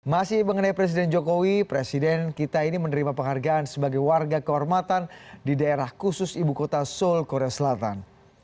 masih mengenai presiden jokowi presiden kita ini menerima penghargaan sebagai warga kehormatan di daerah khusus ibu kota seoul korea selatan